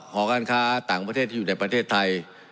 หอการค้าต่างประเทศที่อยู่ในประเทศไทย